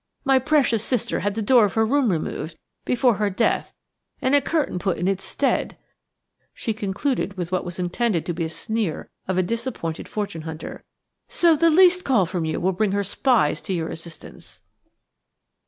My precious sister had the door of her room removed before her death and a curtain put in its stead," she concluded with what was intended to be the sneer of a disappointed fortune hunter, "so the least call from you will bring her spies to your assistance."